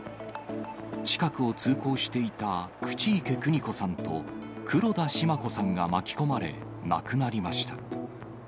近くを通行していた、口池邦子さんと黒田シマ子さんが巻き込まれ、亡くなりました。